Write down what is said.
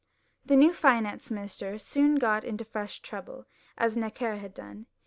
The new finance minister soon got into fresh trouble, as Necker had done.